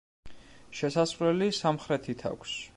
შესასვლელი სამხრეთით აქვს.